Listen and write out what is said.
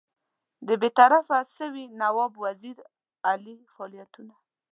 د برطرفه سوي نواب وزیر علي فعالیتونو.